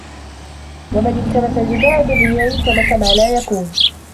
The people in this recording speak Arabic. وَمَنْ الْتَمَسَ الْجَزَاءَ بِالرِّيَاءِ الْتَمَسَ مَا لَا يَكُونُ